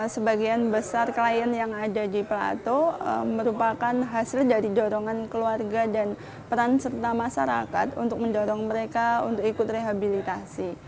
sebagian besar klien yang ada di pelato merupakan hasil dari dorongan keluarga dan peran serta masyarakat untuk mendorong mereka untuk ikut rehabilitasi